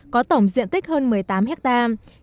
có tổng diện tích hơn một mươi tám hectare